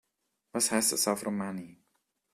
Was heißt das auf Romani?